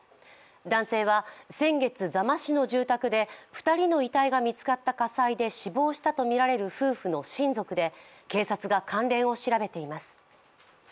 男性は先月、座間市の住宅で２人の遺体が見つかった火災で死亡したとみられる夫婦の親族で警察が関連を調べています。